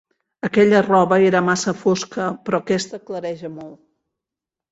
Aquella roba era massa fosca, però aquesta clareja molt.